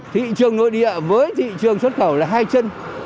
thị trường nội địa với thị trường xuất khẩu là hai chân